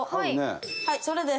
はいそれです。